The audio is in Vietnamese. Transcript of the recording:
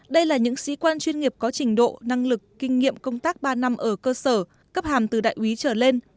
đây là những sĩ quan chuyên nghiệp có trình độ năng lực kinh nghiệm công tác ba năm ở cơ sở cấp hàm từ đại úy trở lên